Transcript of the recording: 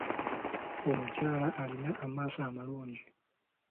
Omukyala alina amaaso amalungi.